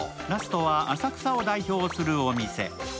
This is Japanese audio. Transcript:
ラストは浅草を代表するお店。